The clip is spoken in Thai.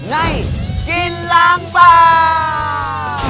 กินล้างบาง